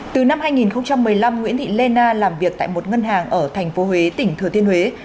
từ năm hai nghìn một mươi năm nguyễn thị lê na làm việc tại một ngân hàng ở thành phố huế tỉnh thừa thiên huế